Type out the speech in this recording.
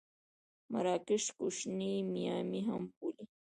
مراکش کوشنۍ میامي هم بولي.